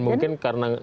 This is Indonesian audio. dan mungkin karena